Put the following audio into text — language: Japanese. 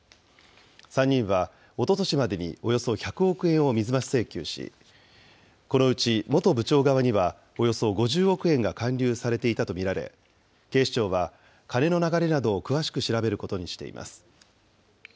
３人は、おととしまでにおよそ１００億円を水増し請求し、このうち元部長側には、およそ５０億円が還流されていたと見られ、警視庁は金の流れなどを詳しく調べることにしています。